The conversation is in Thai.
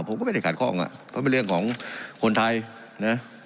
ผมก็ไม่ได้ขัดข้องอ่ะเพราะเป็นเรื่องของคนไทยนะ